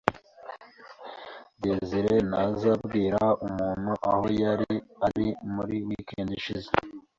Desire ntazabwira umuntu aho yari ari muri weekend ishize.